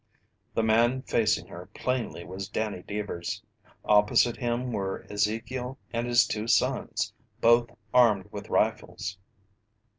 The man facing her plainly was Danny Deevers. Opposite him were Ezekiel and his two sons, both armed with rifles.